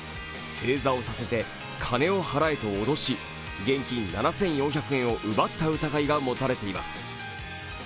正座をさせて金を払えと脅し現金７４００円を奪った疑いが持たれています。